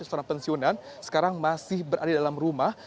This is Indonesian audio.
seorang pensiunan sekarang masih berada di dalam rumah